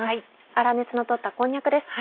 粗熱の取ったこんにゃくです。